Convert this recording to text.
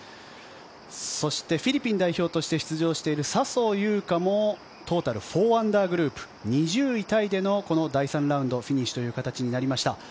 そして、フィリピン代表として出場している笹生優花もトータル４アンダーグループ２０位タイでのこの第３ラウンドフィニッシュという形になりました。